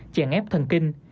chèn ép thần kinh